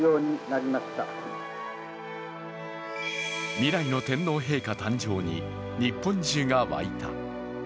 未来の天皇陛下誕生に日本中がわいた。